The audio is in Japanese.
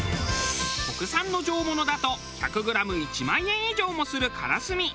国産の上物だと１００グラム１万円以上もするからすみ。